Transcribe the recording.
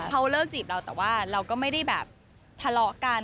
เขาเลิกจีบเราแต่ว่าเราก็ไม่ได้แบบทะเลาะกัน